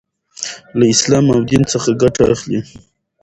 لـه اسـلام او ديـن څـخه ګـټه اخـلي .